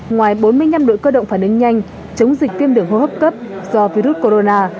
ngoài bốn mươi năm đội cơ động phản ứng nhanh chống dịch viêm đường hô hấp cấp do virus corona